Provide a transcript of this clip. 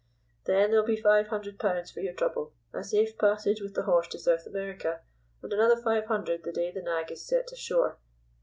Then there'll be five hundred pounds for your trouble, a safe passage with the horse to South America, and another five hundred the day the nag is set ashore.